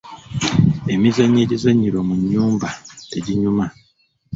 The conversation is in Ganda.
Emizannyo egizanyirwa mu nnyumba teginyuma.